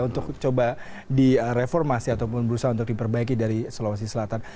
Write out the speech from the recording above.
untuk coba direformasi ataupun berusaha untuk diperbaiki dari sulawesi selatan